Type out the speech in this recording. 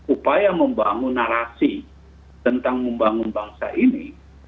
upaya membangun narasi tentang membangun bangsa ini